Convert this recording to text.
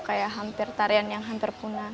kayak hampir tarian yang hampir punah